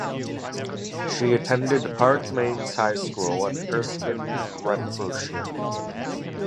She attended Park Mains High School in Erskine, Renfrewshire.